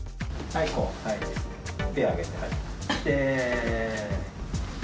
手挙げて。